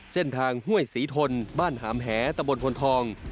ห้วยศรีทนบ้านหามแหตะบนพลทอง